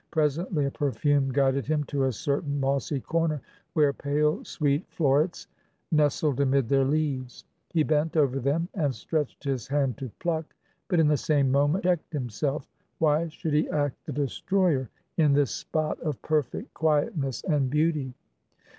Presently a perfume guided him to a certain mossy corner where pale sweet florets nestled amid their leaves. He bent over them, and stretched his hand to pluck, but in the same moment checked himself; why should he act the destroyer in this spot of perfect quietness and beauty?